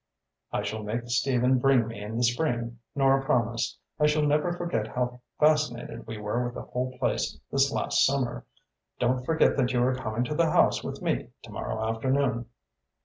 "I shall make Stephen bring me in the spring," Nora promised. "I shall never forget how fascinated we were with the whole place this last summer. Don't forget that you are coming to the House with me tomorrow afternoon."